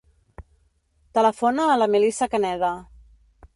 Telefona a la Melissa Caneda.